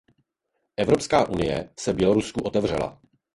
Evropská unie se Bělorusku otevřela.